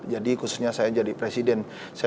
jadi khususnya saya jadi presiden